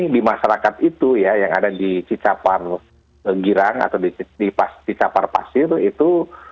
di masyarakat itu ya yang ada di cicapar girang atau di cicapar pasir itu